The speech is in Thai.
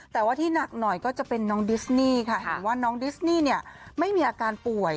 แต่ว่าที่หนักหน่อยก็จะเป็นน้องดิสนี่ค่ะเห็นว่าน้องดิสนี่เนี่ยไม่มีอาการป่วย